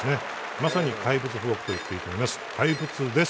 まさに怪物フォークと言っていいと思います。